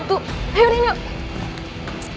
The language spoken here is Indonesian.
tuh ayo nih yuk